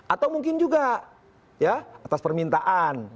atau mungkin juga ya atas permintaan